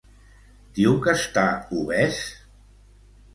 Diu que està obès?